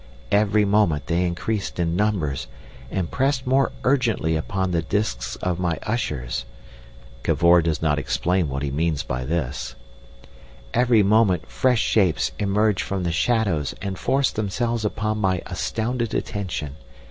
Every moment they increased in numbers, and pressed more urgently upon the discs of my ushers"—Cavor does not explain what he means by this—"every moment fresh shapes emerged from the shadows and forced themselves upon my astounded attention.